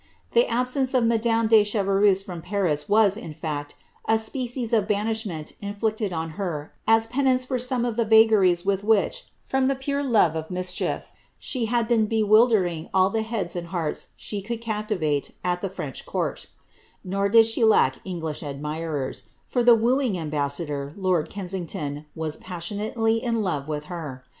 The absence of madame de Chevreuse* from Paris was, in fact, a species of banishment inflicted on her as penance for some of the vagaries with which, from the pure love of mischief, she hati been bewildering all the heads and hearts she could captivate at the French court Nor did she lack English admirers, for the ^^ wooing ambassador,'' lord Kensington, was passionately in love with her.